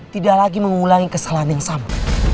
tidak lagi mengulangi kesalahan yang sama